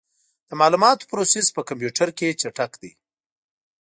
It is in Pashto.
د معلوماتو پروسس په کمپیوټر کې چټک دی.